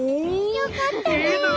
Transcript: よかったね。